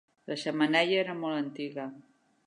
La xemeneia era molt antiga.